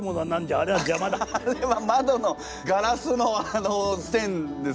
あれはまどのガラスの線ですね。